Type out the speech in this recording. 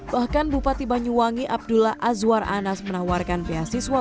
bahkan bupati banyuwangi abdullah azwar anas menawarkan piasiswa banyuwangi